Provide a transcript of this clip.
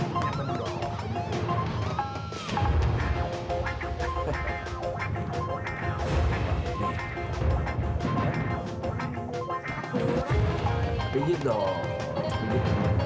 biar orang tua